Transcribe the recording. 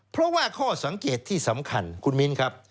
เพราะว่าข้อสังเกตที่สำคัญคุณมิ้นครับ